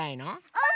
うん！